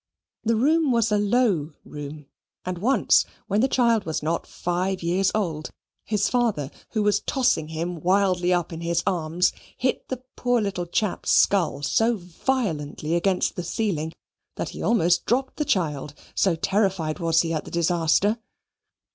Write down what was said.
The room was a low room, and once, when the child was not five years old, his father, who was tossing him wildly up in his arms, hit the poor little chap's skull so violently against the ceiling that he almost dropped the child, so terrified was he at the disaster.